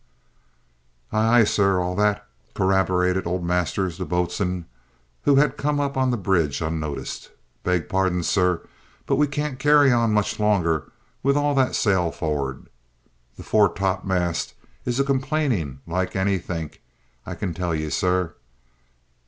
"Aye, aye, sir, all that," corroborated old Masters, the boatswain, who had come up on the bridge unnoticed. "Beg pardon, sir, but we can't carry on much longer with all that sail forrad. The fore topmast is a complainin' like anythink, I can tell ye, sir.